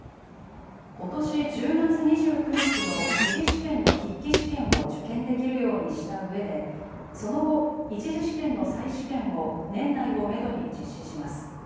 ことし１０月２９日の２次試験の筆記試験を受験できるようにしたうえでその後、１次試験の再試験を年内をめどに実施します。